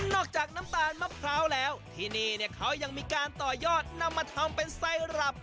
จากน้ำตาลมะพร้าวแล้วที่นี่เนี่ยเขายังมีการต่อยอดนำมาทำเป็นไซรับ